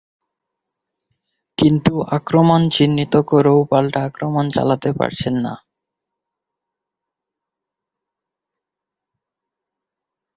কিন্তু অবস্থান চিহ্নিত করেও পাল্টা আক্রমণ চালাতে পারছেন না।